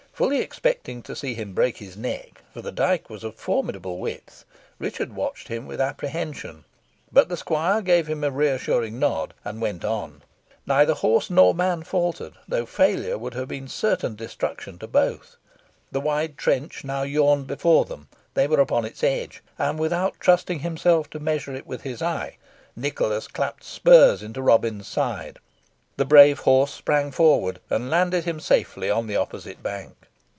Fully expecting to see him break his neck, for the dyke was of formidable width, Richard watched him with apprehension, but the squire gave him a re assuring nod, and went on. Neither horse nor man faltered, though failure would have been certain destruction to both. The wide trench now yawned before them they were upon its edge, and without trusting himself to measure it with his eye, Nicholas clapped spurs into Robin's sides. The brave horse sprang forward and landed him safely on the opposite bank.